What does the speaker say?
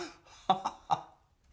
ハハハ！